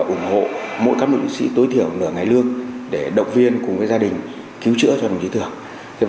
ủng hộ mỗi các đồng chí tối thiểu nửa ngày lương để động viên cùng gia đình cứu chữa cho đồng chí thưởng